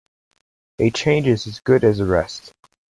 A change is as good as a rest.